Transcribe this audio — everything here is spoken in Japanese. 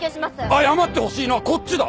謝ってほしいのはこっちだ！